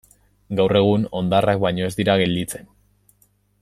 Gaur egun hondarrak baino ez dira gelditzen.